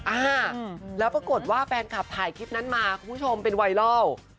อ่าแล้วปรากฏว่าแฟนคลับถ่ายคลิปนั้นมาคุณผู้ชมเป็นไวรัล